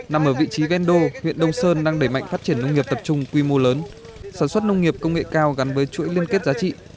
nằm ở vị trí ven đô huyện đông sơn đang đẩy mạnh phát triển nông nghiệp tập trung quy mô lớn sản xuất nông nghiệp công nghệ cao gắn với chuỗi liên kết giá trị